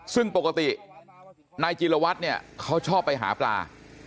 ซึ่งปกตินายจิลวัตรเนี่ยเขาชอบไปหาปลา